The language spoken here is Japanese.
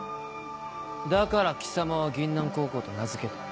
だから貴様は銀杏高校と名付けた。